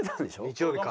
日曜日か。